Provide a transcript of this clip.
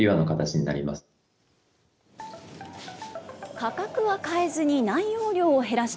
価格は変えずに内容量を減らした